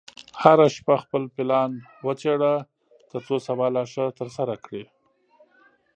هره شپه خپل پلان وڅېړه، ترڅو سبا لا ښه ترسره کړې.